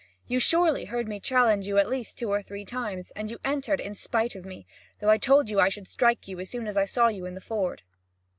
You surely heard me challenge you at least two or three times, and you entered in spite of me, though I told you I should strike you as soon as I saw you in the ford."